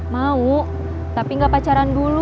mau tapi gak pacaran dulu